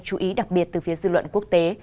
chú ý đặc biệt từ phía dư luận quốc tế